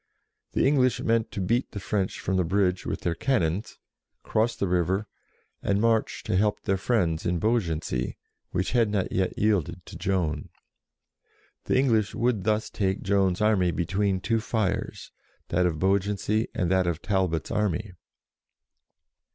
The English meant to beat the French from the bridge with their cannons, cross the river, and march to help their friends in Beaugency, which had not yet yielded to Joan. The English would thus take Joan's army between two fires, that of Beaugency, and that of Talbot's army.